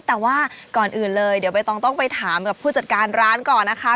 แต่ว่าก่อนอื่นเลยเดี๋ยวใบตองต้องไปถามกับผู้จัดการร้านก่อนนะคะ